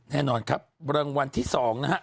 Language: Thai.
แน่นอนครับรางวัลที่๒นะฮะ